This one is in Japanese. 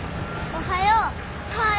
おはよう。